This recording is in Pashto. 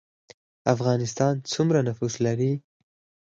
افغانستان سومره نفوس لري